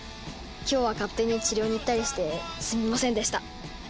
今日は勝手に治療に行ったりしてすみませんでした。